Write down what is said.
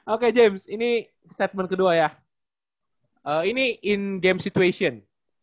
oke james ini statement kedua ya ini in game situation